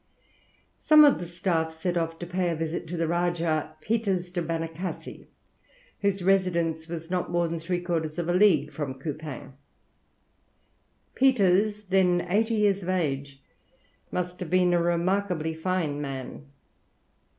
Some of the staff set off to pay a visit to the Rajah Peters de Banacassi, whose residence was not more than three quarters of a league from Coupang. Peters, then eighty years of age, must have been a remarkably fine man.